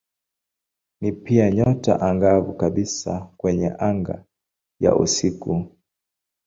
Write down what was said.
Ni pia nyota angavu kabisa kwenye anga ya usiku.